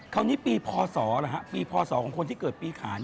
คราวนี้ปีพศหรือฮะปีพศของคนที่เกิดปีขาน